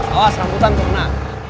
awas rambutan kena